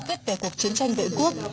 tết kẻ cuộc chiến tranh vệ quốc